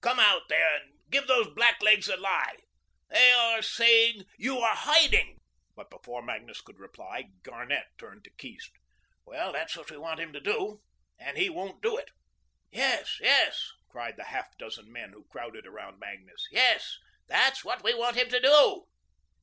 Come out there and give those blacklegs the lie. They are saying you are hiding." But before Magnus could reply, Garnett turned to Keast. "Well, that's what we want him to do, and he won't do it." "Yes, yes," cried the half dozen men who crowded around Magnus, "yes, that's what we want him to do."